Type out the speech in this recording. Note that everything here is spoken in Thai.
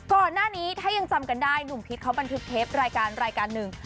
ก่อนหน้านี้ถ้ายังจำกันได้หนุ่มพีชเขาบันทึกเทปรายการรายการหนึ่ง